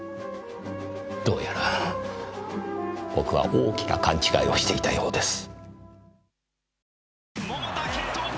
どうやら僕は大きな勘違いをしていたようです。